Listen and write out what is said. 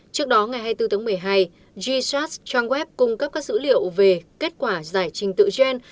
trước đó ngày hai mươi bốn tháng một mươi hai jsat trang web cung cấp các dữ liệu về kết quả giải trình tự gen